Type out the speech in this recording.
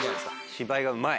芝居がうまい。